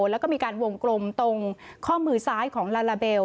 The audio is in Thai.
แล้วก็มีการวงกลมตรงข้อมือซ้ายของลาลาเบล